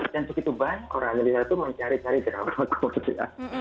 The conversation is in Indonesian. yang cukup itu banyak orang yang lihat itu mencari cari drama korea